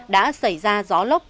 đã xảy ra gió lốc